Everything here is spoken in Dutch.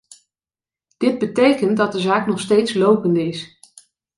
Dit betekent dat de zaak nog steeds lopende is.